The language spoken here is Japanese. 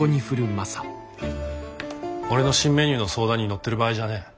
俺の新メニューの相談に乗ってる場合じゃねえ。